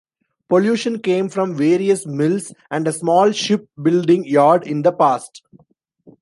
Pollution came from various mills and a small ship building yard in the past.